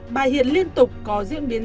bà hiền liên tục có diễn biến